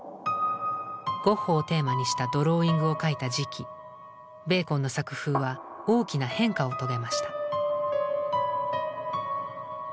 ゴッホをテーマにしたドローイングを描いた時期ベーコンの作風は大きな変化を遂げました。